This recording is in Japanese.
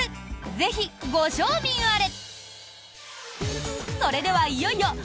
ぜひ、ご賞味あれ！